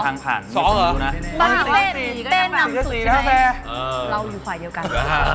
เราอยู่ขวาเดียวกัน